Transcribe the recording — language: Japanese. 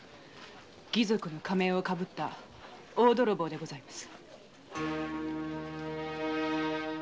義賊の仮面をかぶった大泥棒でございます。